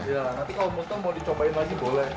iya nanti kalau muntel mau dicobain lagi boleh